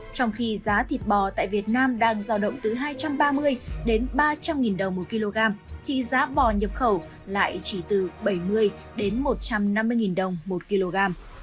trong khi giá thịt bò tại việt nam đang giao động từ hai trăm ba mươi đến ba trăm linh đồng một kg thì giá bò nhập khẩu lại chỉ từ bảy mươi đến một trăm năm mươi đồng một kg